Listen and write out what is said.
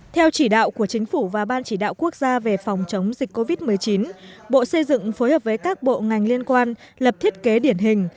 theo chỉ đạo của chính phủ và ban chỉ đạo quốc gia về phòng chống dịch covid một mươi chín bộ xây dựng phối hợp với các bộ ngành liên quan lập thiết kế điển hình